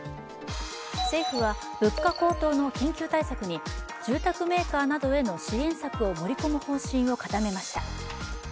政府は物価高騰の緊急対策に住宅メーカーなどへの支援策を盛り込む方針を固めました。